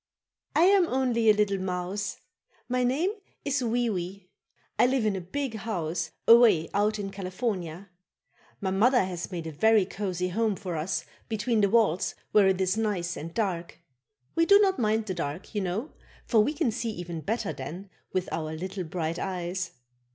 I am only a little mouse; my name is Wee Wee. I live in a big house away out in California. My mother has made a very cozy home for us between the walls where it is nice and dark. We do not mind the dark, you know, for we can see even better then, with our little bright eyes.